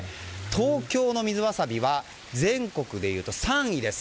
東京の水わさびは全国でいうと３位です。